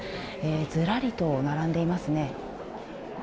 ずらりと並んでいますね。